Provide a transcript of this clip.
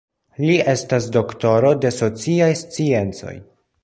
Li estas doktoro de sociaj sciencoj.